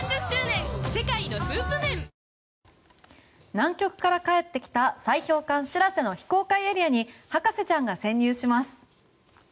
南極から帰ってきた砕氷艦「しらせ」の非公開エリアに博士ちゃんが潜入します。